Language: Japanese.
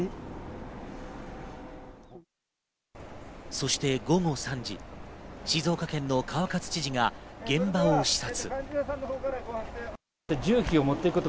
そして午後３時、静岡県の川勝知事が現場を視察。